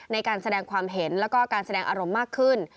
ในการแสดงความเห็นแล้วก็การแสดงอารมณ์มากขึ้น